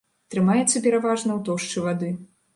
Трымаецца пераважна ў тоўшчы вады.